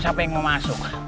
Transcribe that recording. siapa yang mau masuk